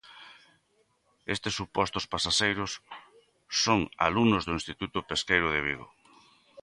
Estes supostos pasaxeiros son alumnos do Instituto Pesqueiro de Vigo.